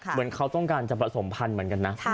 เหมือนเขาต้องการจะผสมพันธุ์เหมือนกันนะ